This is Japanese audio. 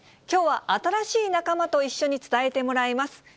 きょうは新しい仲間と一緒に伝えてもらいます。